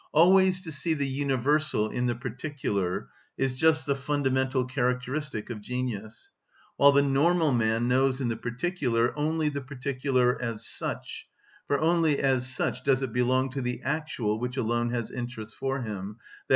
Always to see the universal in the particular is just the fundamental characteristic of genius, while the normal man knows in the particular only the particular as such, for only as such does it belong to the actual which alone has interests for him, _i.